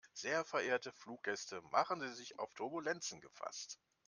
Sehr verehrte Fluggäste, machen Sie sich auf Turbulenzen gefasst.